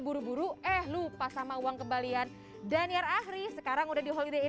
buru buru eh lupa sama uang kembalian daniar ahri sekarang udah di holiday